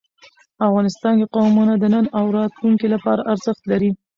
افغانستان کې قومونه د نن او راتلونکي لپاره ارزښت لري.